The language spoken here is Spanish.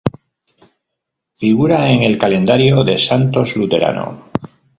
Figura en el Calendario de Santos Luterano.